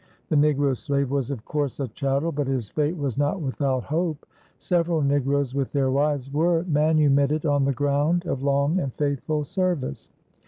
The negro slave was of course a chattel, but his fate was not without hope. Several negroes with their wives were manumitted on the ground of long and faithful service.